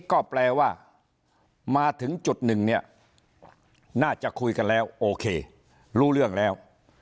ก็แปลว่ามาถึงจุดหนึ่งเนี่ยน่าจะคุยกันแล้วโอเครู้เรื่องแล้ว